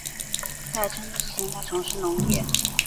在参政之前他从事农业。